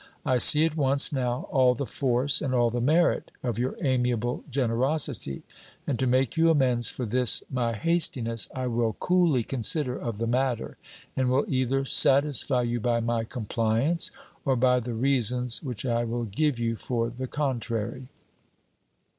I see at once now, all the force, and all the merit, of your amiable generosity: and to make you amends for this my hastiness, I will coolly consider of the matter, and will either satisfy you by my compliance, or by the reasons, which I will give you for the contrary.